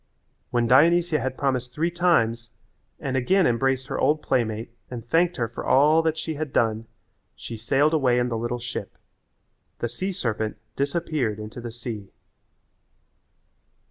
When Dionysia had promised three times and again embraced her old playmate and thanked her for all that she had done she sailed away in the little ship. The sea serpent disappeared into the sea.